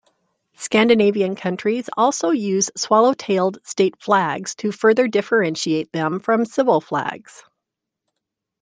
Scandinavian countries also use swallowtailed state flags, to further differentiate them from civil flags.